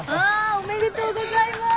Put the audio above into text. おめでとうございます。